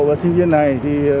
và sinh viên này